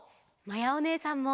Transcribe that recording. まやおねえさんも！